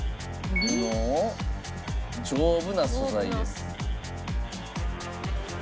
丈夫な素材です。